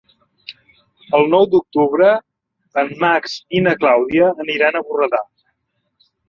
El nou d'octubre en Max i na Clàudia aniran a Borredà.